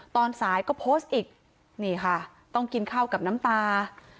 ตอนสายก็โพสต์อีกนี่ค่ะต้องกินข้าวกับน้ำตา